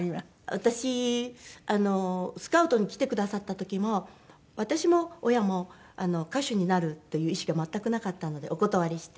私あのスカウトに来てくださった時は私も親も歌手になるという意識は全くなかったのでお断りして。